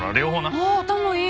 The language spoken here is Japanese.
ああ頭いい！